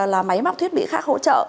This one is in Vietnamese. là máy móc thuyết bị khác hỗ trợ